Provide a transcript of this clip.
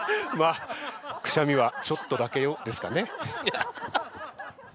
「くしゃみはちょっとだけよ」ですかね？